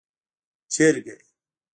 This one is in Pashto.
🐔 چرګه